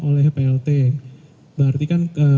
oleh plt berarti kan